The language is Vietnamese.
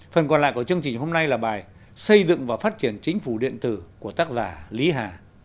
phần còn lại của chương trình hôm nay là bài xây dựng và phát triển chính phủ điện tử của tác giả lý hà